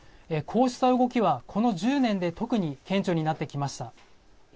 こうした動きはこの１０年で特に顕著になってきました。